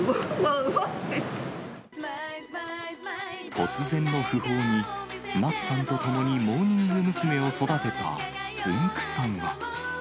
突然の訃報に、夏さんと共にモーニング娘。を育てたつんく♂さんは。